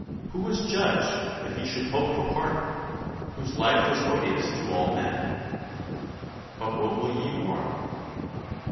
Who was judge that he should hope for pardon, whose life was odious to all men? But what will ye more?